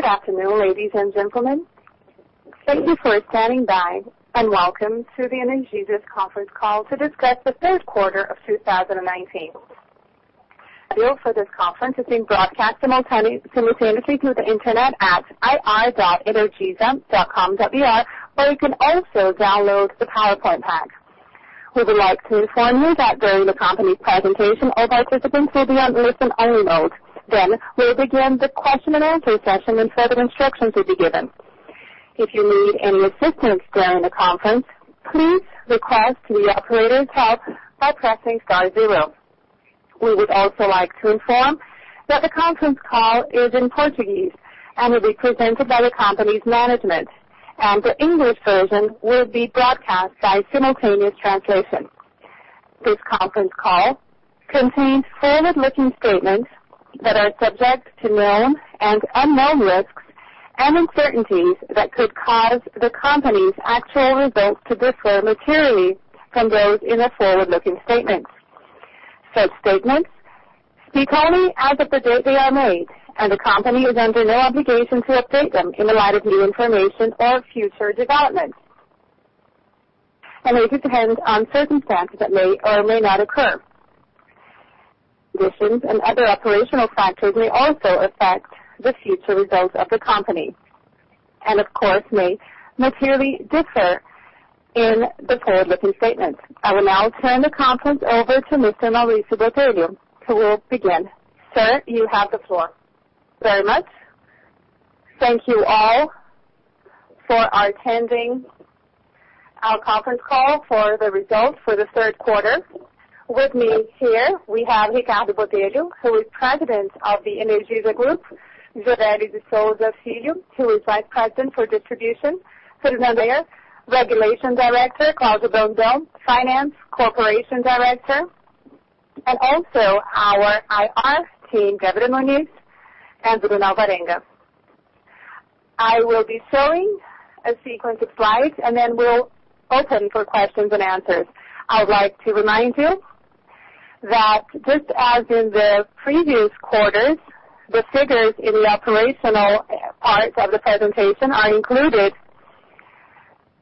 Good afternoon, ladies and gentlemen. Thank you for standing by, and welcome to the Energisa conference call to discuss the third quarter of 2019. The audio for this conference is being broadcast simultaneously through the internet at ir.energisa.com.br, or you can also download the PowerPoint pack. We would like to inform you that during the company's presentation, all participants will be on listen-only mode. We'll begin the question-and-answer session when further instructions will be given. If you need any assistance during the conference, please request the operator's help by pressing star zero. We would also like to inform that the conference call is in Portuguese and will be presented by the company's management, and the English version will be broadcast by simultaneous translation. This conference call contains forward-looking statements that are subject to known and unknown risks, and uncertainties that could cause the company's actual results to differ materially from those in our forward-looking statements. Such statements speak only as of the date they are made, and the company is under no obligation to update them in the light of new information or future developments, and they depend on circumstances that may or may not occur. Conditions and other operational factors may also affect the future results of the company, and of course, may materially differ in the forward-looking statements. I will now turn the conference over to Mr. Maurício Botelho, who will begin. Sir, you have the floor. Very much. Thank you all for attending our conference call for the results for the third quarter. With me here, we have Ricardo Botelho, who is President of the Energisa Group, Jose Ari de Souza e Filho, who is Vice President for Distribution, Fernando Maia, Regulation Director, Claudia Gondim, Finance and Corporate Director, and also our IR team, Deborah Muniz and Bruna Alvarenga. I will be showing a sequence of slides, and then we'll open for questions and answers. I would like to remind you that just as in the previous quarters, the figures in the operational parts of the presentation are included.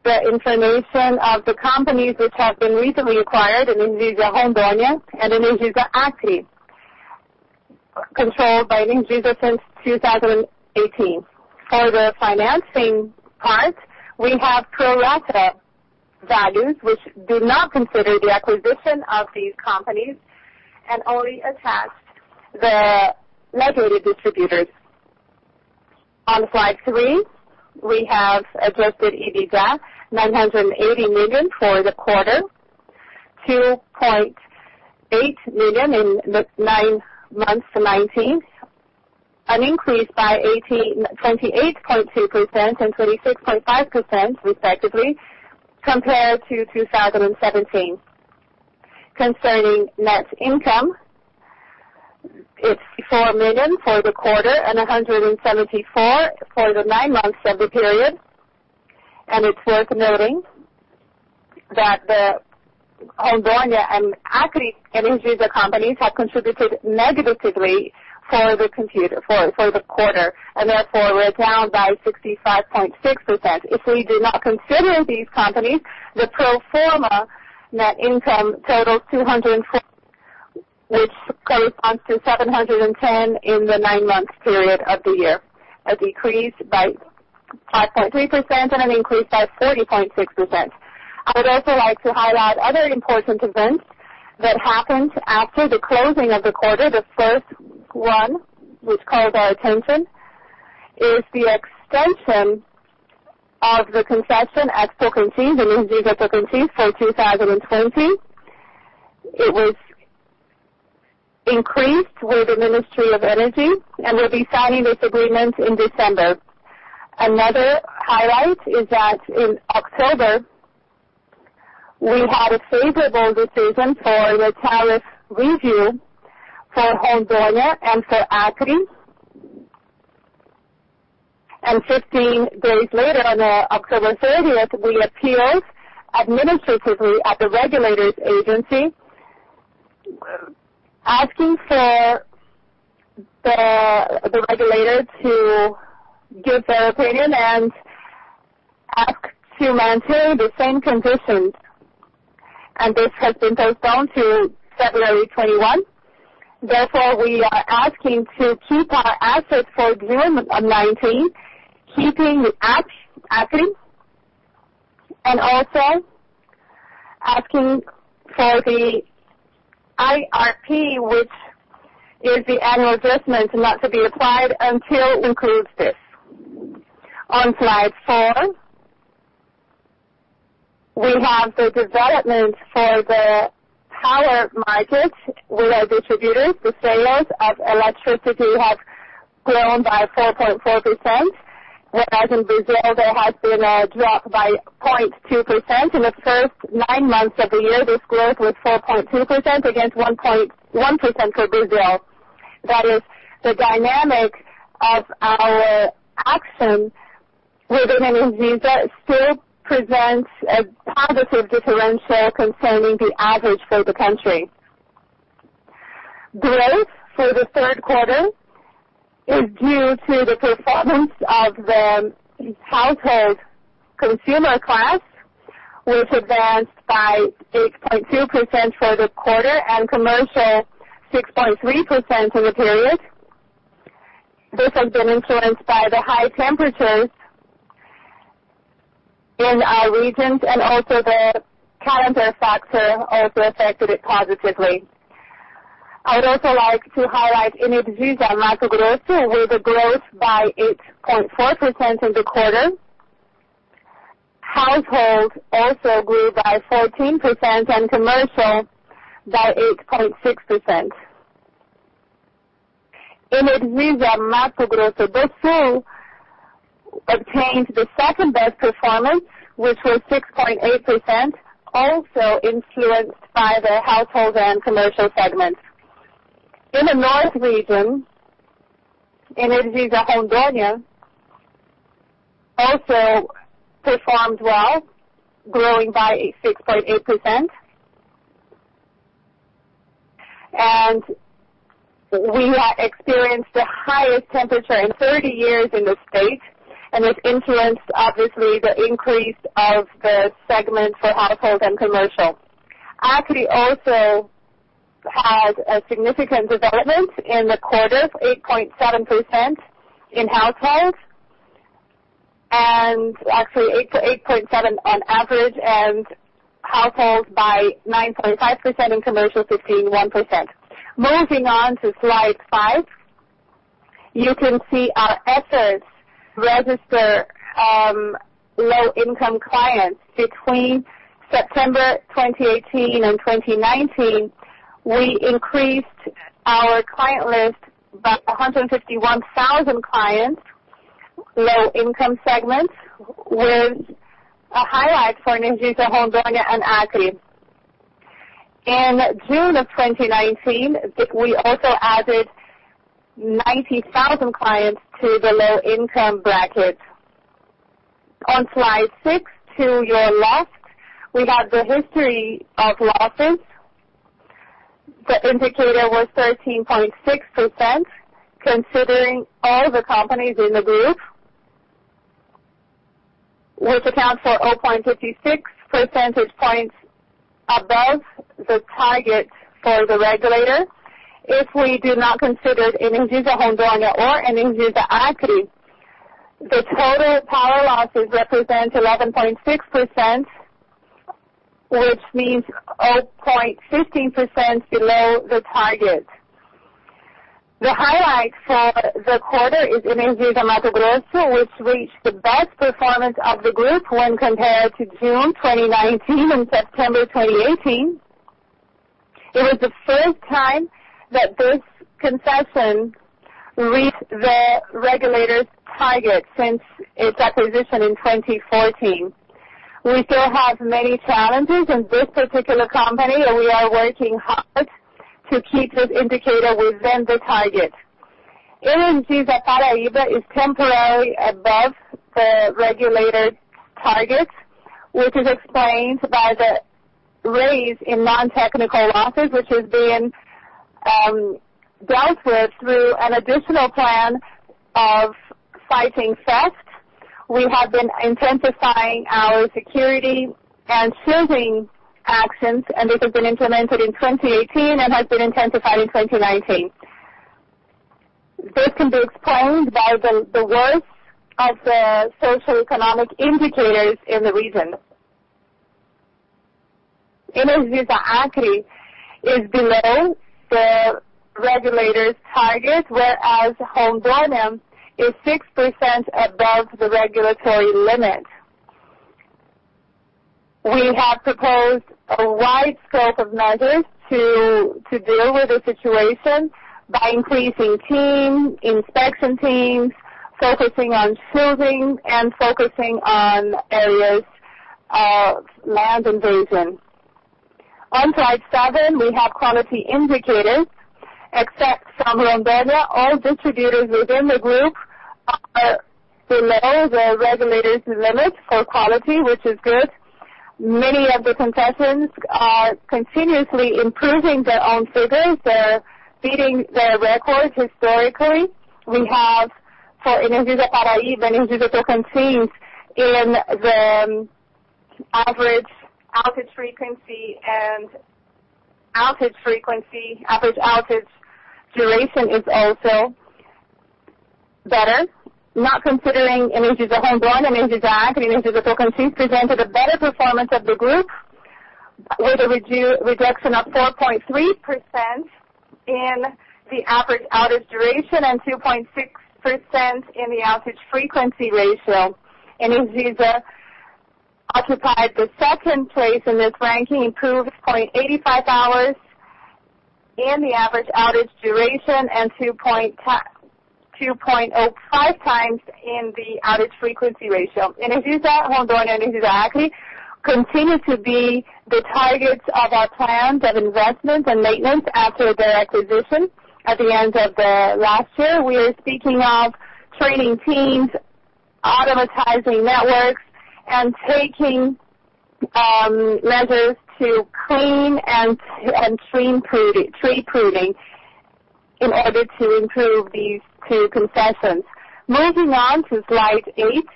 The information of the companies which have been recently acquired in Energisa Rondônia and Energisa Acre, controlled by Energisa since 2018. For the financing part, we have pro rata values, which do not consider the acquisition of these companies and only attach the regulated distributors. On slide three, we have adjusted EBITDA, 980 million for the quarter, 2.8 million in the nine months to 2019, an increase by 28.2% and 26.5%, respectively, compared to 2017. Concerning net income, it's 4 million for the quarter and 174 million for the nine months of the period. It's worth noting that the Energisa Rondônia and Energisa Acre companies have contributed negatively for the quarter, and therefore were down by 65.6%. If we do not consider these companies, the pro forma net income totals 204 million, which corresponds to 710 million in the nine-month period of the year, a decrease by 5.3% and an increase by 30.6%. I would also like to highlight other important events that happened after the closing of the quarter. The first one, which calls our attention, is the extension of the concession at Pocinhos, Energisa Pocinhos, for 2020. It was increased with the Ministry of Mines and Energy, and we'll be signing this agreement in December. Another highlight is that in October, we had a favorable decision for the tariff review for Energisa Rondônia and for Energisa Acre. Fifteen days later, on October 30, we appealed administratively at the regulators agency, asking for the regulator to give their opinion and ask to maintain the same conditions. This has been postponed to February 21. Therefore, we are asking to keep our assets for June 2019, keeping Energisa Acre, and also asking for the IRT, which is the annual adjustment, not to be applied until we close this. On slide four, we have the development for the power market. We are distributors. The sales of electricity have grown by 4.4%. In Brazil, there has been a drop by 0.2%. In the first nine months of the year, this growth was 4.2% against 1% for Brazil. The dynamic of our action within Energisa still presents a positive differential concerning the average for the country. Growth for the third quarter is due to the performance of the household consumer class, which advanced by 8.2% for the quarter, and commercial 6.3% in the period. This has been influenced by the high temperatures in our regions. The calendar factor also affected it positively. I would also like to highlight Energisa Mato Grosso, with a growth by 8.4% in the quarter. Household also grew by 14% and commercial by 8.6%. Energisa Mato Grosso do Sul obtained the second-best performance, which was 6.8%, also influenced by the household and commercial segments. We have experienced the highest temperature in 30 years in the state, and this influenced, obviously, the increase of the segment for household and commercial. Energisa Rondônia also performed well, growing by 6.8%. Acre also had a significant development in the quarter, 8.7% in households. Actually, 8.7 on average, and households by 9.5% and commercial 15.1%. Moving on to slide five, you can see our efforts register low-income clients. Between September 2018 and 2019, we increased our client list by 151,000 clients, low-income segments, with a highlight for Energisa Rondônia and Acre. In June of 2019, we also added 90,000 clients to the low-income bracket. On slide six, to your left, we have the history of losses. The indicator was 13.6%, considering all the companies in the group, which accounts for 0.56 percentage points above the target for the regulator. If we do not consider Energisa Rondônia or Energisa Acre, the total power losses represent 11.6%, which means 0.15% below the target. The highlight for the quarter is Energisa Mato Grosso, which reached the best performance of the group when compared to June 2019 and September 2018. It was the first time that this concession reached the regulators' target since its acquisition in 2014. We still have many challenges in this particular company, and we are working hard to keep this indicator within the target. Energisa Paraíba is temporarily above the regulated target, which is explained by the raise in non-technical losses, which is being dealt with through an additional plan of fighting theft. We have been intensifying our security and sealing actions, and this has been implemented in 2018 and has been intensified in 2019. This can be explained by the worst of the socioeconomic indicators in the region. Energisa Acre is below the regulators' target, whereas Rondônia is 6% above the regulatory limit. We have proposed a wide scope of measures to deal with the situation by increasing team, inspection teams, focusing on sealing, and focusing on areas of land invasion. On slide seven, we have quality indicators. Except from Rondônia, all distributors within the group are below the regulators' limit for quality, which is good. Many of the concessions are continuously improving their own figures. They're beating their records historically. We have, for Energisa Paraíba and Energisa Tocantins, in the average outage frequency and outage frequency, average outage duration is also better, not considering Energisa Rondônia, Energisa Acre, Energisa Tocantins presented a better performance of the group with a reduction of 4.3% in the average outage duration and 2.6% in the outage frequency ratio. Energisa occupied the second place in this ranking, improved 0.85 hours in the average outage duration and 2.05 times in the outage frequency ratio. Energisa Rondônia and Energisa Acre continue to be the targets of our plans of investment and maintenance after their acquisition at the end of last year. We are speaking of training teamsautomatizing networks and taking measures to clean and tree pruning in order to improve these two concessions. Moving on to slide eight,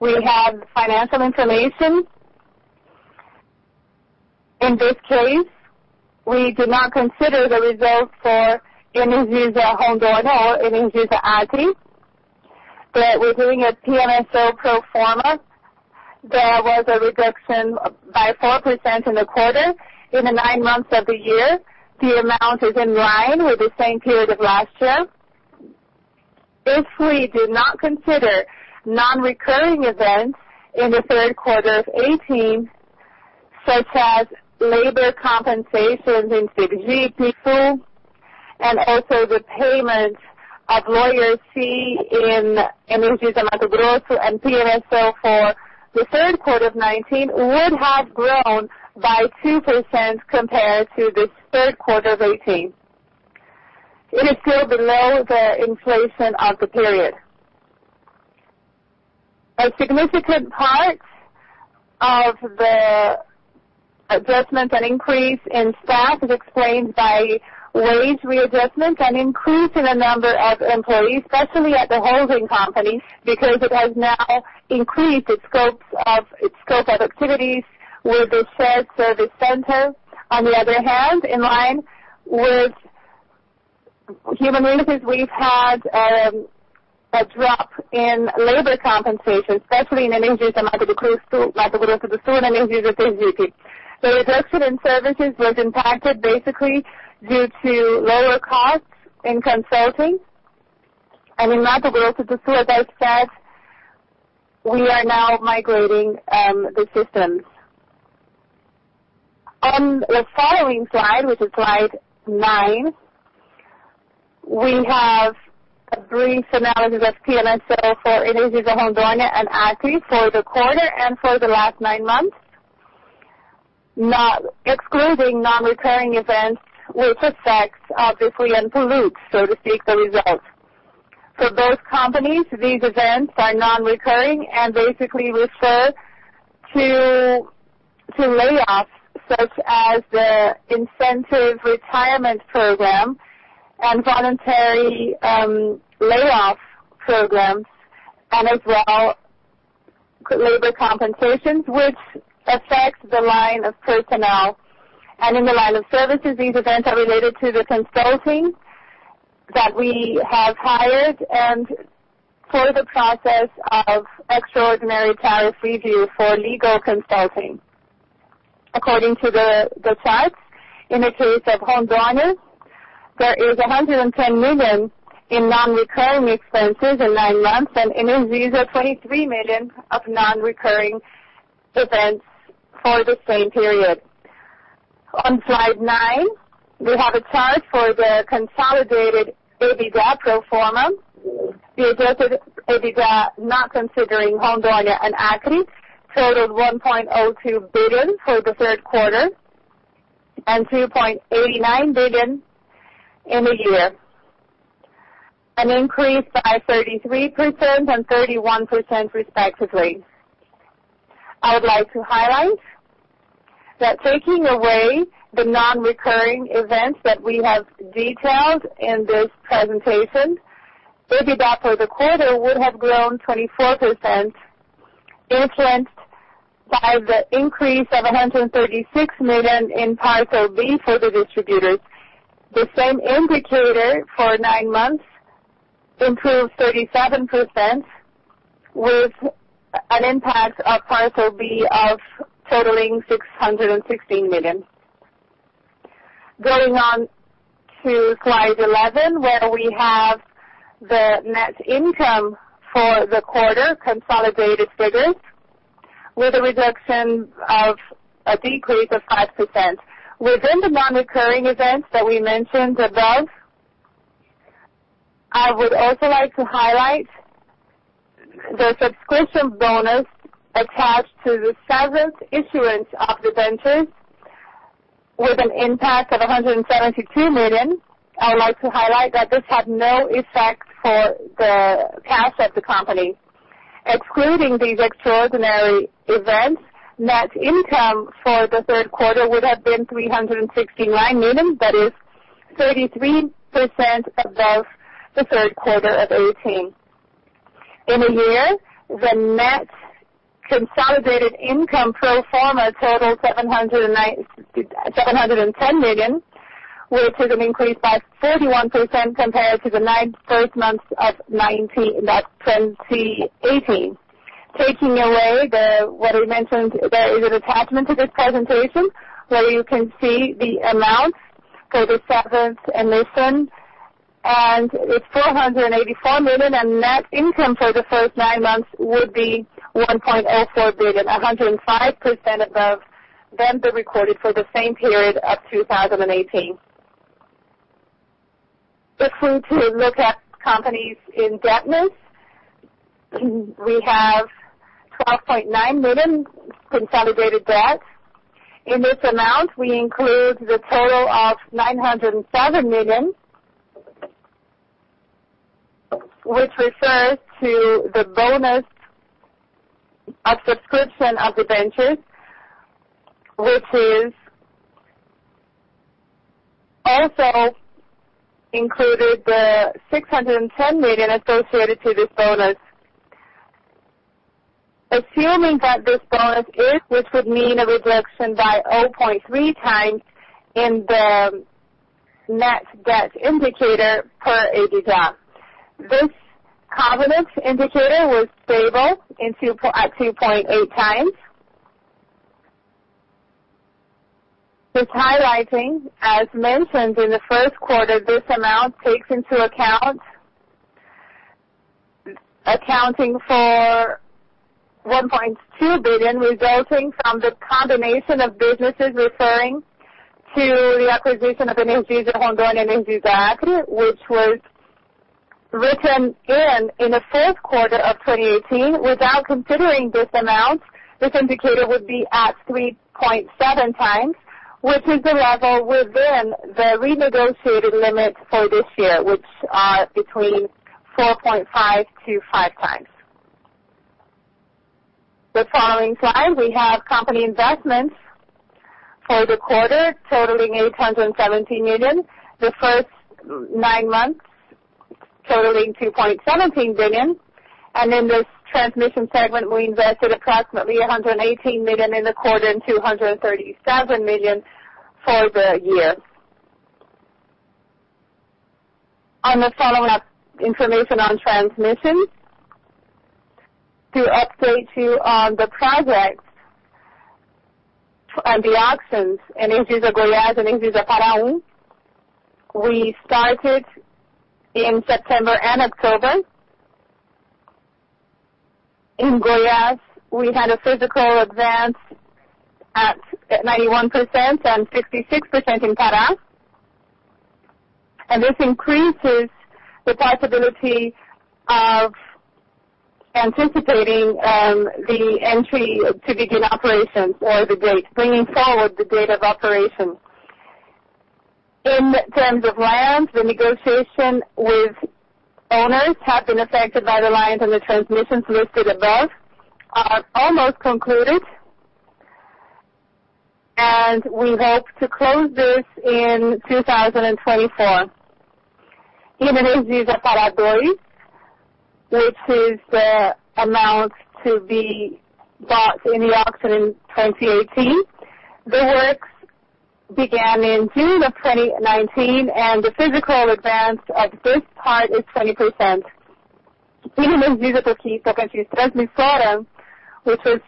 we have financial information. In this case, we do not consider the results for Energisa Rondônia or Energisa Acre, but we're doing a PMSO pro forma. There was a reduction by 4% in the quarter. In the nine months of the year, the amount is in line with the same period of last year. If we do not consider non-recurring events in the third quarter of 2018, such as labor compensations in Sergipe and also the payment of lawyer C in Energisa Mato Grosso and PMSO for the third quarter of 2019 would have grown by 2% compared to the third quarter of 2018. It is still below the inflation of the period. A significant part of the adjustment and increase in staff is explained by wage readjustment and increase in the number of employees, especially at the holding company, because it has now increased its scope of activities with the shared service center. On the other hand, in line with human resources, we've had a drop in labor compensation, especially in Energisa Mato Grosso do Sul and Energisa Sergipe. The reduction in services was impacted basically due to lower costs in consulting and in Mato Grosso do Sul, as I said, we are now migrating the systems. On the following slide, which is slide nine, we have a brief analysis of PMSO for Energisa Rondônia and Acre for the quarter and for the last nine months, excluding non-recurring events which affect obviously and pollute, so to speak, the results. For both companies, these events are non-recurring and basically refer to layoffs such as the incentive retirement program and voluntary layoff programs, and as well, labor compensations, which affect the line of personnel. In the line of services, these events are related to the consulting that we have hired and for the process of extraordinary tariff review for legal consulting. According to the charts, in the case of Rondônia, there is 110 million in non-recurring expenses in nine months and Energisa, 23 million of non-recurring events for the same period. On slide nine, we have a chart for the consolidated EBITDA pro forma. The adjusted EBITDA, not considering Rondônia and Acre, totaled 1.02 billion for the third quarter and 2.89 billion in the year. An increase by 33% and 31% respectively. I would like to highlight that taking away the non-recurring events that we have detailed in this presentation, EBITDA for the quarter would have grown 24%, influenced by the increase of 136 million in Parcela B for the distributors. The same indicator for nine months improved 37%, with an impact of Parcela B totaling 616 million. Going on to slide 11, where we have the net income for the quarter, consolidated figures with a reduction of a decrease of 5%. Within the non-recurring events that we mentioned above, I would also like to highlight the subscription bonus attached to the seventh issuance of debentures with an impact of 172 million. I would like to highlight that this had no effect for the cash of the company. Excluding these extraordinary events, net income for the third quarter would have been 369 million, that is 33% above the third quarter of 2018. In a year, the net consolidated income pro forma totaled 710 million, which is an increase by 31% compared to the first months of 2018. Taking away what we mentioned, there is an attachment to this presentation where you can see the amount for the seventh emission, and it's 484 million, and net income for the first nine months would be 1.04 billion, 105% above venture recorded for the same period of 2018. If we look at companies' indebtedness, we have 12.9 million consolidated debt. In this amount, we include the total of 907 million, which refers to the bonus of subscription of the ventures, which has also included the 610 million associated to this bonus. Assuming that this bonus, which would mean a reduction by 0.3 times in the net debt indicator per EBITDA. This covenants indicator was stable at 2.8 times. This highlighting, as mentioned in the first quarter, this amount takes into account accounting for 1.2 billion, resulting from the combination of businesses referring to the acquisition of Energisa Rondônia and Energisa Acre, which was written in the fourth quarter of 2018. Without considering this amount, this indicator would be at 3.7 times, which is the level within the renegotiated limit for this year, which are between 4.5 to 5 times. The following slide, we have company investments for the quarter totaling 817 million, the first nine months totaling 2.17 billion, and in this transmission segment, we invested approximately 118 million in the quarter and 237 million for the year. On the follow-up information on transmissions, to update you on the projects on the auctions, Energisa Goiás and Energisa Pará. We started in September and October. In Goiás, we had a physical advance at 91% and 66% in Pará. This increases the possibility of anticipating the entry to begin operations or the date, bringing forward the date of operations. In terms of land, the negotiation with owners have been affected by the lines and the transmissions listed above are almost concluded, and we hope to close this in 2024. In Energisa Paragominas, which is the amount to be bought in the auction in 2018, the works began in June 2019, and the physical advance of this part is 20%. In Energisa Pará, which is Transmissora, which was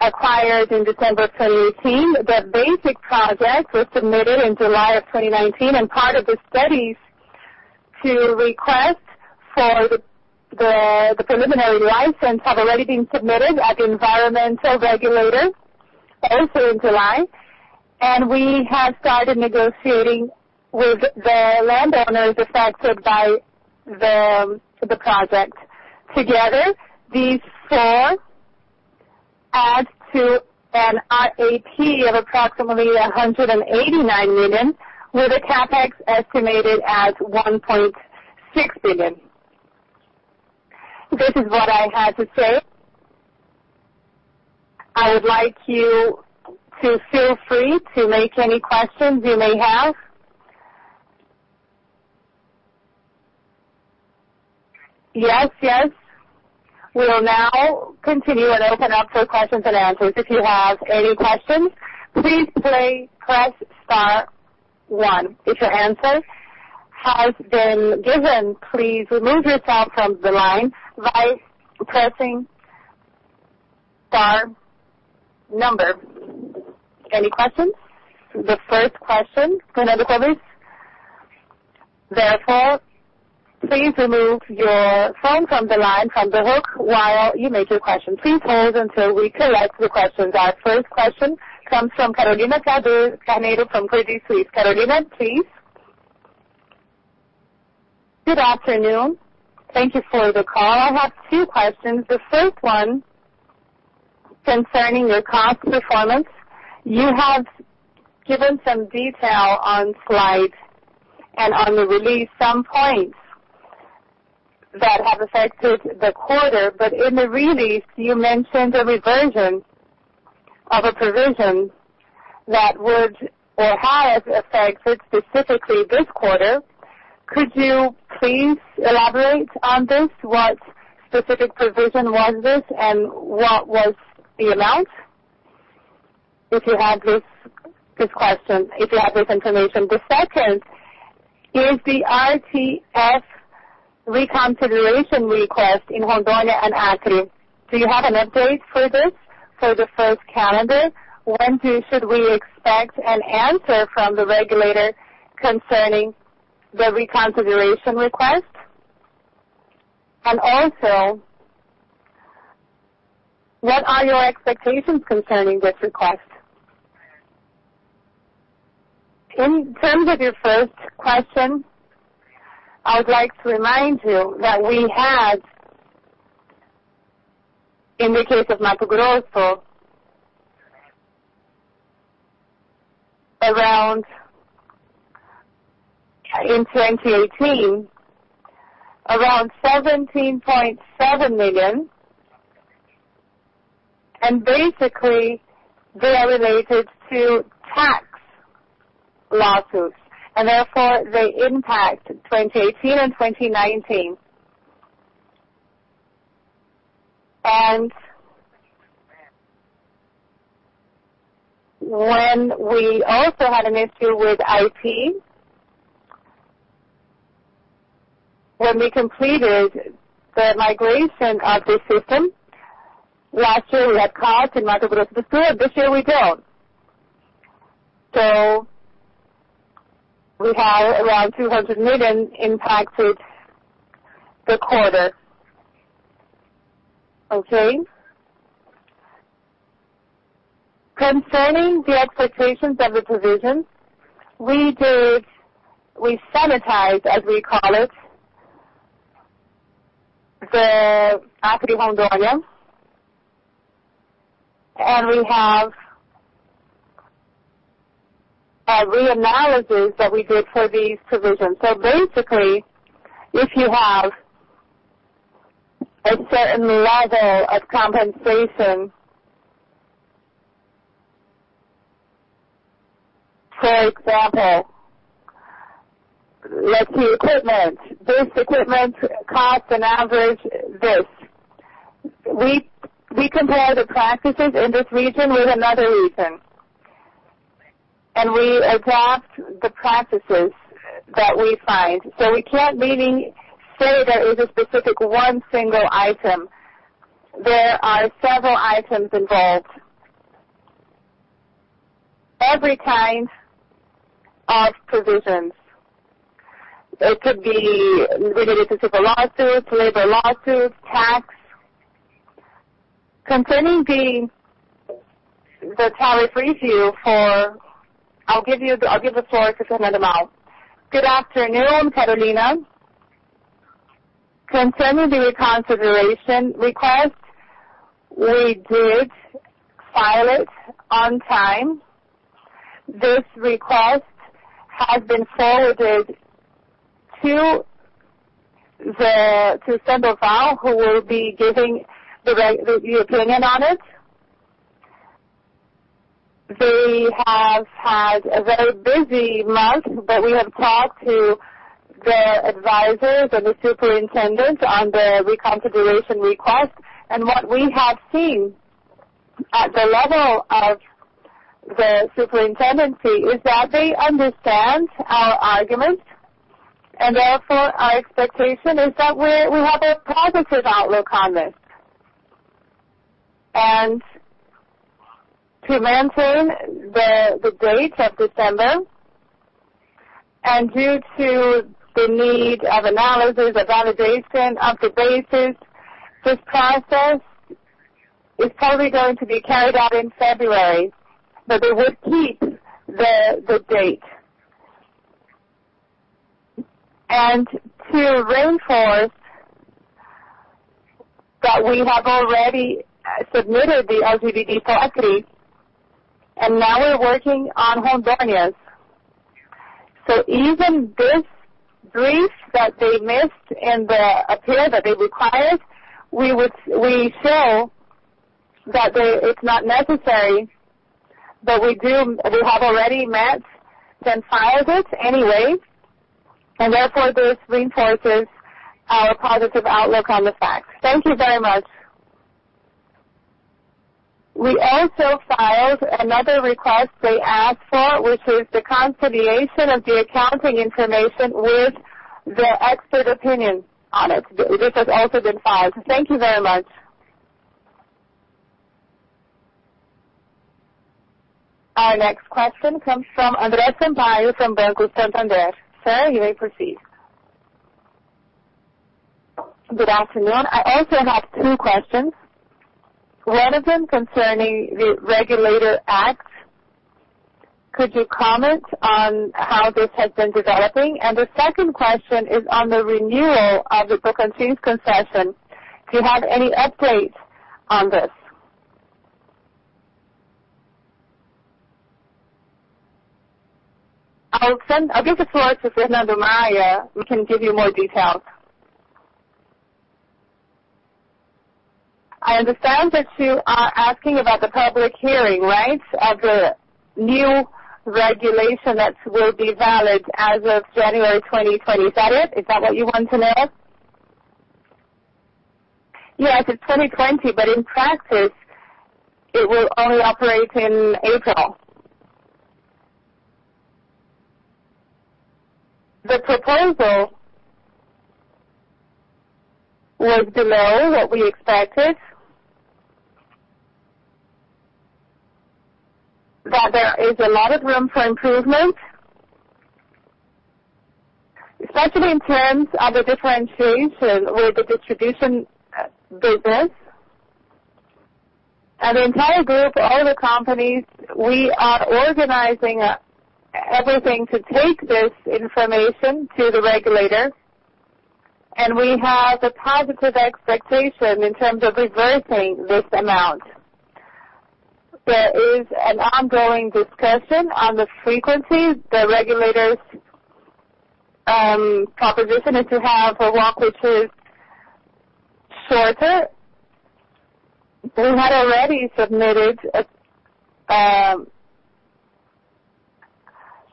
acquired in December 2018, the basic project was submitted in July 2019, and part of the studies to request for the preliminary license have already been submitted at the environmental regulator also in July. We have started negotiating with the landowners affected by the project. Together, these four add to an RAP of approximately 189 million, with a CapEx estimated at 1.6 billion. This is what I had to say. I would like you to feel free to make any questions you may have. Yes. We will now continue and open up for questions and answers. If you have any questions, please press star one. If your answer has been given, please remove yourself from the line by pressing star number. Any questions? The first question will now be published. Please remove your phone from the line, from the hook, while you make your question. Please hold until we collect the questions. Our first question comes from Carolina Tader, analyst from Credit Suisse. Carolina, please. Good afternoon. Thank you for the call. I have two questions. The first one concerning your cost performance. You have given some detail on slide and on the release some points that have affected the quarter. In the release, you mentioned a reversion of a provision that would or has affected specifically this quarter. Could you please elaborate on this? What specific provision was this, and what was the amount, if you have this information? The second is the RTP reconsideration request in Rondônia and Acre. Do you have an update for this for the first calendar? When should we expect an answer from the regulator concerning the reconsideration request? Also, what are your expectations concerning this request? In terms of your first question, I would like to remind you that we had, in the case of Mato Grosso, in 2018, around BRL 17.7 million, and basically, they are related to tax lawsuits, and therefore, they impact 2018 and 2019. When we also had an issue with IT, when we completed the migration of the system, last year we had costs in Mato Grosso do Sul. This year we don't. We have around 200 million impacted the quarter. Okay. Concerning the expectations of the provisions, we sanitized, as we call it, the active homeowner, and we have a re-analysis that we did for these provisions. Basically, if you have a certain level of compensation, for example, let's say equipment. This equipment cost on average. We compare the practices in this region with another region, and we adopt the practices that we find. We can't really say there is a specific one single item. There are several items involved. Every kind of provisions could be related to the lawsuits, labor lawsuits, tax. Concerning the tariff review, I'll give the floor to Fernando Maia. Good afternoon, Carolina. Concerning the reconsideration request, we did file it on time. This request has been forwarded to Sandoval, who will be giving the opinion on it. They have had a very busy month, but we have talked to the advisors and the superintendents on the reconsideration request. What we have seen at the level of the superintendency is that they understand our argument, and therefore, our expectation is that we have a positive outlook on this. To mention the date of December, and due to the need of analysis and validation of the basis, this process is probably going to be carried out in February, but it will keep the date. To reinforce that we have already submitted the RGV for equity, and now we're working on homeowners. Even this brief that they missed and the appeal that they required, we show that it's not necessary, but we have already met and filed it anyway, and therefore, this reinforces our positive outlook on the facts. Thank you very much. We also filed another request they asked for, which is the consolidation of the accounting information with the expert opinion on it. This has also been filed. Thank you very much. Our next question comes from André Sampaio from Banco Santander. Sir, you may proceed. Good afternoon. I also have two questions. One of them concerning the Regulator Act. Could you comment on how this has been developing? The second question is on the renewal of the Pocinhos concession. Do you have any update on this? I'll give the floor to Fernando Maia, who can give you more details. I understand that you are asking about the public hearing, right? Of the new regulation that will be valid as of January 2020. Is that it? Is that what you want to know? Yes, it's 2020, but in practice, it will only operate in April. The proposal was below what we expected, that there is a lot of room for improvement, especially in terms of the differentiation with the distribution business. The entire group, all the companies, we are organizing everything to take this information to the regulator, and we have a positive expectation in terms of reversing this amount. There is an ongoing discussion on the frequency. The regulator's proposition is to have a WACC, which is shorter. We had already submitted a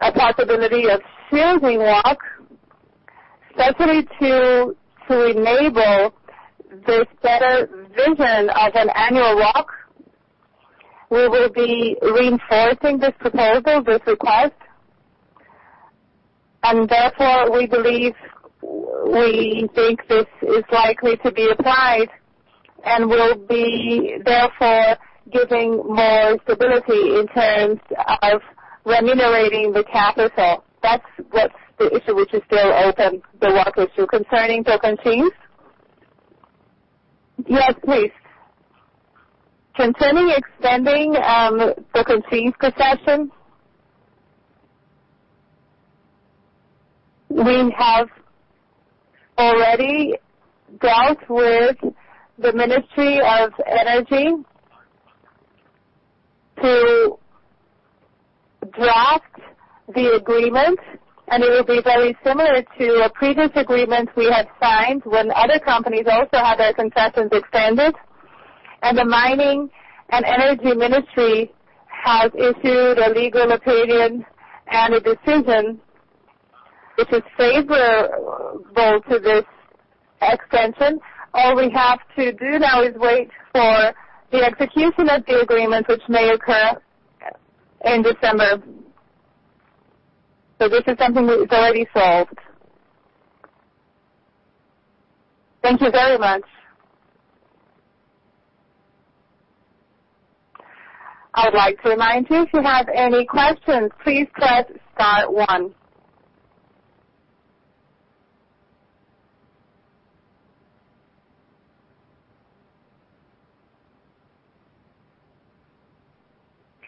possibility of seizing WACC, especially to enable this better vision of an annual WACC. We will be reinforcing this proposal, this request, and therefore, we think this is likely to be applied and will be therefore giving more stability in terms of remunerating the capital. That's the issue which is still open, the WACC issue. Concerning Tocantins? Yes, please. Concerning extending Tocantins concession, we have already dealt with the Ministry of Mines and Energy to draft the agreement. It will be very similar to a previous agreement we had signed when other companies also had their concessions extended. The Mining and Energy Ministry has issued a legal opinion and a decision which is favorable to this extension. All we have to do now is wait for the execution of the agreement, which may occur in December. This is something that is already solved. Thank you very much. I would like to remind you, if you have any questions, please press star one.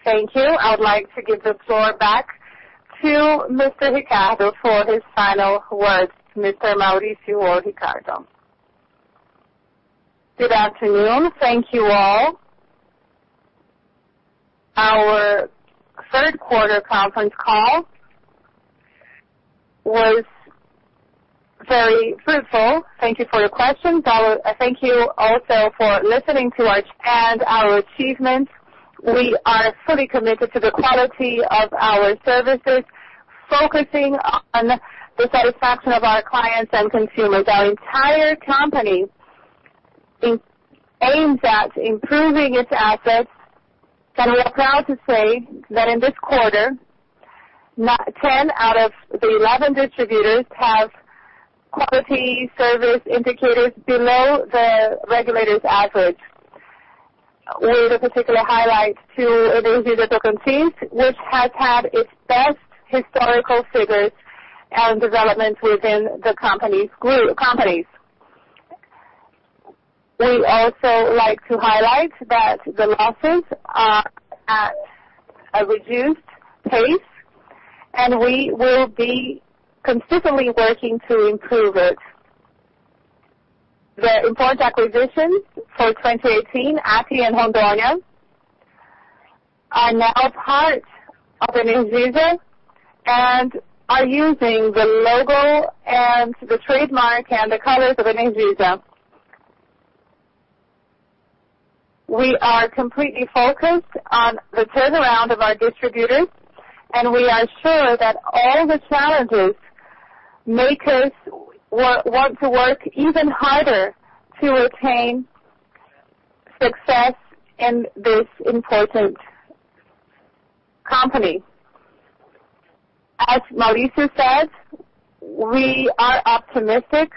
Thank you. I would like to give the floor back to Mr. Ricardo for his final words. Mr. Mauricio or Ricardo. Good afternoon. Thank you all. Our third quarter conference call was very fruitful. Thank you for your questions. I thank you also for listening to our achievements. We are fully committed to the quality of our services, focusing on the satisfaction of our clients and consumers. Our entire company aims at improving its assets, and we are proud to say that in this quarter, 10 out of the 11 distributors have quality service indicators below the regulators' average, with a particular highlight to Energisa Tocantins, which has had its best historical figures and development within the companies. We also like to highlight that the losses are at a reduced pace, and we will be consistently working to improve it. The important acquisitions for 2018, ATI and Rondônia, are now part of Energisa and are using the logo and the trademark and the colors of Energisa. We are completely focused on the turnaround of our distributors, and we are sure that all the challenges make us want to work even harder to attain success in this important company. As Maurício said, we are optimistic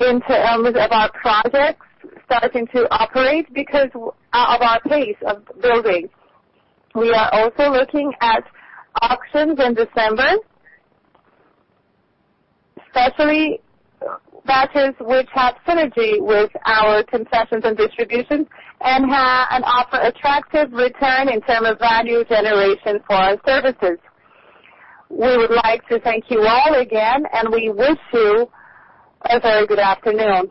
in terms of our projects starting to operate because of our pace of building. We are also looking at auctions in December, especially batches which have synergy with our concessions and distributions, and offer attractive return in terms of value generation for our services. We would like to thank you all again, and we wish you a very good afternoon.